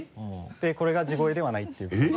でこれが地声ではないっていうことです。